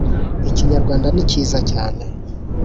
iknyarwanda ni cyiza cyane